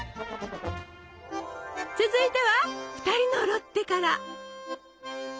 続いては「ふたりのロッテ」から！